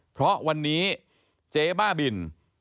เพราะวันนี้เจ๊บ้าบิน